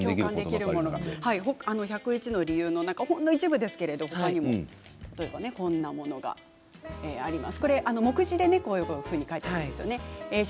１０１の理由の中ほんの一部ですがこんなものがあります。